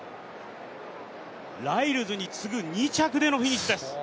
ライルズに次ぐ２着でのフィニッシュです。